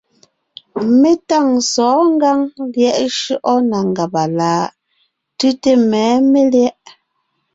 Mé tâŋ sɔ̌ɔn ngǎŋ lyɛ̌ʼ shyɔ́ʼɔ na ngàba láʼ? Tʉ́te mɛ̌ melyɛ̌ʼ.